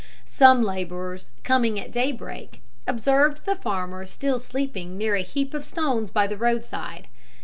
Some labourers, coming by at daybreak, observed the farmer still sleeping near a heap of stones by the roadside.